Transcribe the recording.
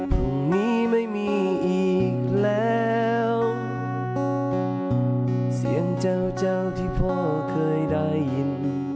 พรุ่งนี้ไม่มีอีกแล้วเสียงเจ้าเจ้าที่พ่อเคยได้ยิน